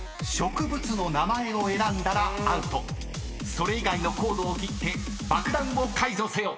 ［それ以外のコードを切って爆弾を解除せよ］